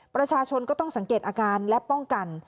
ประชาชนก็ต้องสังเกตอาการและป้องกัน